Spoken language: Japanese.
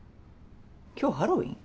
今日ハロウィーン？